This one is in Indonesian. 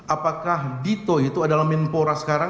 apakah dito itu adalah menpora sekarang